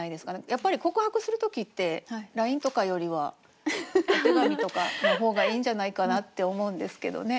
やっぱり告白する時ってＬＩＮＥとかよりはお手紙とかの方がいいんじゃないかなって思うんですけどね。